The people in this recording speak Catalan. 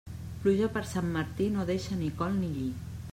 Pluja per Sant Martí, no deixa ni col ni lli.